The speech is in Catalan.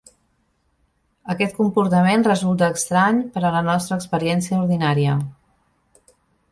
Aquest comportament resulta estrany per a la nostra experiència ordinària.